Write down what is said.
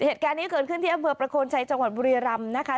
เหตุการณ์นี้เกิดขึ้นที่อำเภอประโคนชัยจังหวัดบุรีรำนะคะ